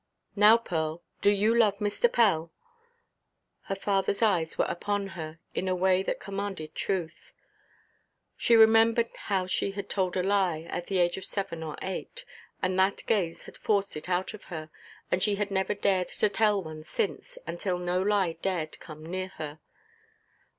"Now, Pearl, do you love Mr. Pell?" Her fatherʼs eyes were upon her in a way that commanded truth. She remembered how she had told a lie, at the age of seven or eight, and that gaze had forced it out of her, and she had never dared to tell one since, until no lie dared come near her.